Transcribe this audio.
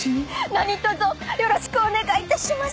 何とぞよろしくお願いいたします。